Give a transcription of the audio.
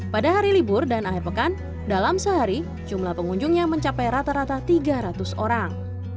pada hari libur dan akhir pekan dalam sehari jumlah pengunjungnya mencapai rata rata tiga ratus orang